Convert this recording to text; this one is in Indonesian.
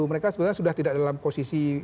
mereka sebenarnya sudah tidak dalam posisi